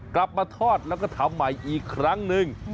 กลับมาทอดแล้วก็ทำใหม่อีกครั้งหนึ่ง